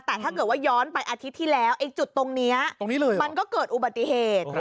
แต่ถ้าเกิดว่าย้อนไปอาทิตย์ที่แล้วไอ้จุดตรงนี้เลยมันก็เกิดอุบัติเหตุ